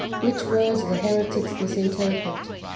ichich words the heretics misinterpret.